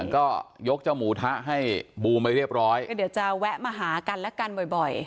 ก็ยกเจ้าหมูทะให้บูมไปเรียบร้อยก็เดี๋ยวจะแวะมาหากันและกันบ่อย